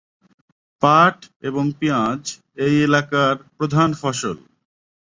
পাট এবং পিঁয়াজ এই এলাকার প্রধান ফসল।